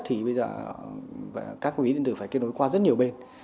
thì bây giờ các ví điện tử phải kết nối qua rất nhiều bên